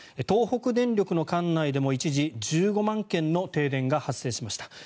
東北電力の管内でも一時１５万軒の停電が発生しました。